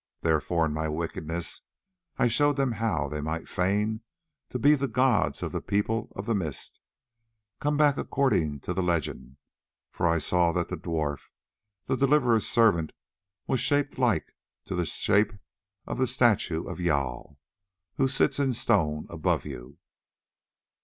Therefore in my wickedness I showed them how they might feign to be the gods of the People of the Mist, come back according to the legend, for I saw that the dwarf, the Deliverer's servant, was shaped like to the shape of the statue of Jâl, who sits in stone above you.